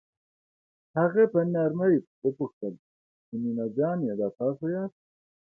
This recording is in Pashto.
هغه په نرمۍ وپوښتل چې مينه جانې دا تاسو یاست.